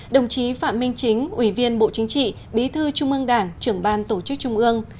đồng chí phạm minh chính ủy viên bộ chính trị bí thư trung ương đảng trưởng ban tổ chức trung ương